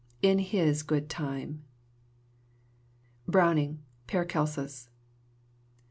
In his good time. BROWNING: Paracelsus.